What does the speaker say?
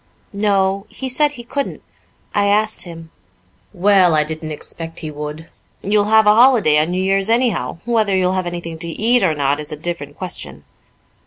"No. He said he couldn't I asked him." "Well, I didn't expect he would. You'll have a holiday on New Year's anyhow; whether you'll have anything to eat or not is a different question."